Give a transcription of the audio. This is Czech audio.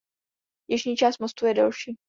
Jižní část mostu je delší.